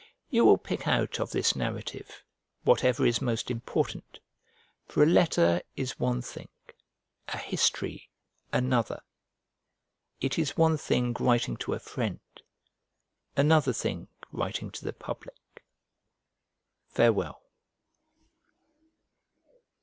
You will pick out of this narrative whatever is most important: for a letter is one thing, a history another; it is one thing writing to a friend, another thing writing to the public. Farewell.